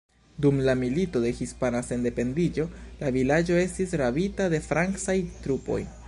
Dum la Milito de Hispana Sendependiĝo la vilaĝo estis rabita de francaj trupoj.